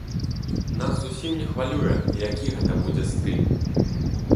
Нас зусім не хвалюе, які гэта будзе стыль.